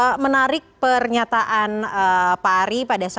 dan menarik pernyataan pak ari pada saat mengatakan bahwa ini adalah momen untuk pertarungan